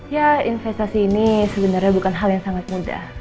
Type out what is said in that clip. ya investasi ini sebenarnya bukan hal yang sangat mudah